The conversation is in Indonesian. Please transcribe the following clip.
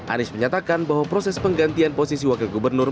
anies menyatakan bahwa proses penggantian posisi wakil gubernur